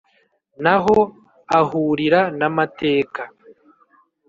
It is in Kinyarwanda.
n’aho ahurira na mateka.